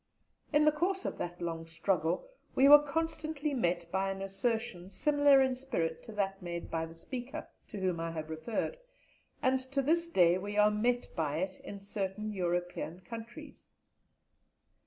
In the course of that long struggle, we were constantly met by an assertion similar in spirit to that made by the speaker to whom I have referred; and to this day we are met by it in certain European countries.